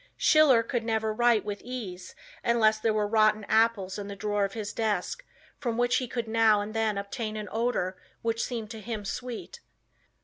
Schiller could never write with ease unless there were rotten apples in the drawer of his desk from which he could now and then obtain an odor which seemed to him sweet.